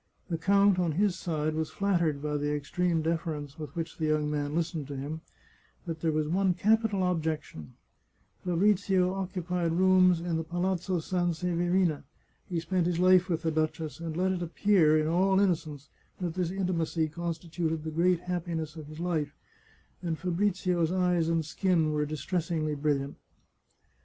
The count, on his side, was flattered by the extreme deference with which the young man listened to him, but there was one capital ob jection— Fabrizio occupied rooms in the Palazzo Sansever ina ; he spent his Ufe with the duchess, and let it appear, in all innocence, that this intimacy constituted his great hap piness, and Fabrizio's eyes and skin were distressingly brilliant.